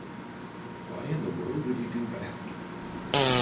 Why in the world would you do that?